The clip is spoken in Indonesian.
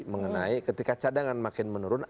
mengenai ketika cadangan makin menurun